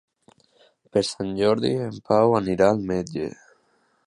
Per Sant Jordi en Pau anirà al metge.